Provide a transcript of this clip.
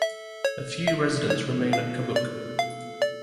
A few residents remain at Kobuk.